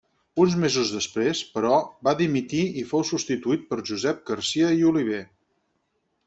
Uns mesos després, però, va dimitir i fou substituït per Josep Garcia i Oliver.